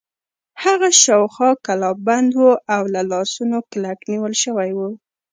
هغه شاوخوا کلابند و او له لاسونو کلک نیول شوی و.